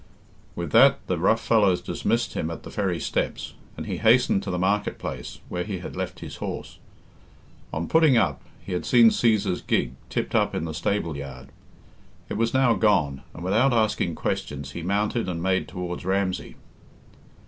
With that the rough fellows dismissed him at the ferry steps, and he hastened to the market place, where he had left his horse. On putting up, he had seen Cæsar's gig tipped up in the stable yard. It was now gone, and, without asking questions, he mounted and made towards Ramsey.